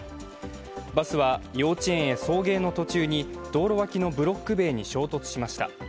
バスは幼稚園へ送迎の途中に道路脇のブロック塀に衝突しました。